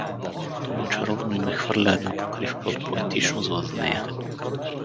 Това чаровно име хвърля една покривка от поетичност въз нея.